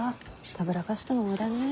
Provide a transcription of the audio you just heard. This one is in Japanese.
たぶらかしても無駄ね。